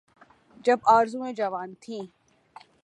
جب آرزوئیں جوان تھیں۔